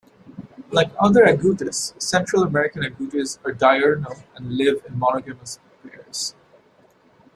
Like other agoutis, Central American agoutis are diurnal and live in monogamous pairs.